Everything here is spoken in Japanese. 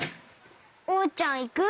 おうちゃんいく？